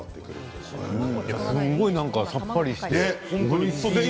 すごくさっぱりして。